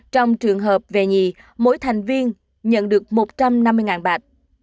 trong trường hợp về nhì mỗi thành viên nhận được một trăm năm mươi bạc